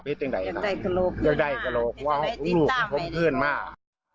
เพศยังไงครับยังได้กระโลกว่าลูกพร้อมเพื่อนมาก